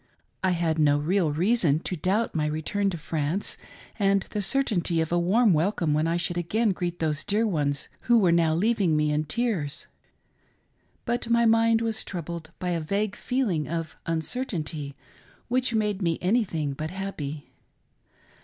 I had no 40 THE MEMORY OF CHILDHOOD'S HOURS. real reason to doubt my return to France and the certainty of a warm welcome when I should again greet those dear ones who were now leaving me in tears ; but my mind was troubled by a vague feeling of uncertainty which made me anything but happy.